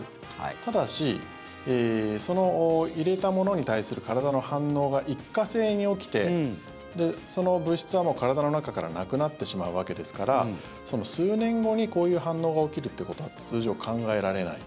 ただし、その入れたものに対する体の反応が一過性に起きてその物質はもう体の中からなくなってしまうわけですから数年後にこういう反応が起きるってことは通常考えられない。